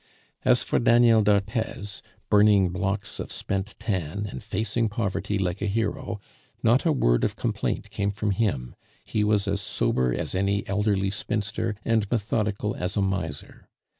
As for Daniel d'Arthez, burning blocks of spent tan, and facing poverty like a hero, not a word of complaint came from him; he was as sober as any elderly spinster, and methodical as a miser.